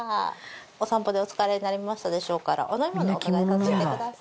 お散歩でお疲れになりましたでしょうからお飲み物をお伺いさせてください。